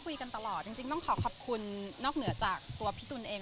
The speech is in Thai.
คุยกันตลอดจริงต้องขอขอบคุณนอกเหนือจากตัวพี่ตุ๋นเอง